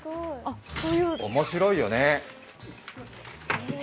面白いよね。